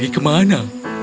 kau mau kemana